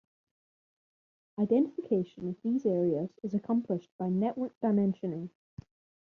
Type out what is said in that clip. Identification of these areas is accomplished by network dimensioning.